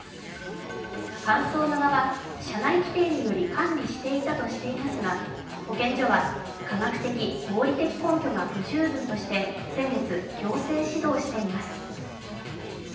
神宗側は、社内規定により管理していたとしていますが、保健所は科学的・合理的根拠が不十分として先月、行政指導しています。